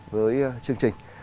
với chương trình